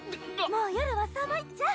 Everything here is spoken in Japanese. もう夜は寒いっちゃ。